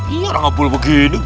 iya orang abul begini